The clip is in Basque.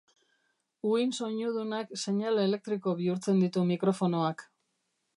Uhin soinudunak seinale elektriko bihurtzen ditu mikrofonoak.